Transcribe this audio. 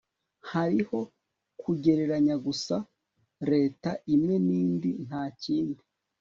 hariho kugereranya gusa leta imwe nindi, ntakindi